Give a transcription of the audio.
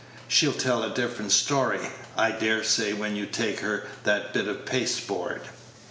"She'll tell a different story, I dare say, when you take her that bit of pasteboard."